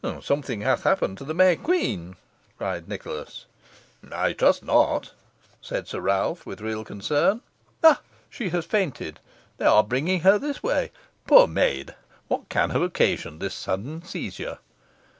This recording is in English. "Something hath happened to the May Queen," cried Nicholas. "I trust not," said Sir Ralph, with real concern. "Ha! she has fainted. They are bringing her this way. Poor maid! what can have occasioned this sudden seizure?"